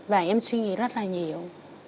và em suy nghĩ rất là nhiều